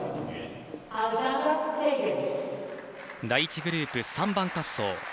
第１グループ３番滑走。